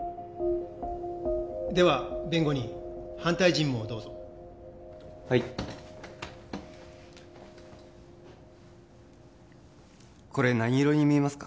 弁護人反対尋問をどうぞはいこれ何色に見えますか？